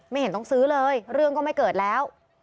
เห็นต้องซื้อเลยเรื่องก็ไม่เกิดแล้ว